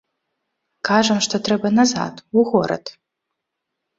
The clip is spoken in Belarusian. Кажам, што трэба назад, у горад.